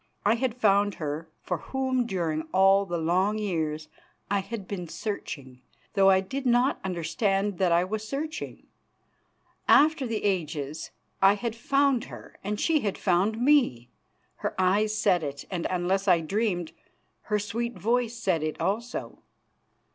I had found her for whom during all the long years I had been searching, though I did not understand that I was searching. After the ages I had found her and she had found me. Her eyes said it, and, unless I dreamed, her sweet voice said it also.